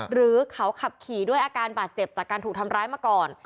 หรือเขาขับขี่ด้วยอาการบาดเจ็บจากการถูกทำร้ายมาก่อน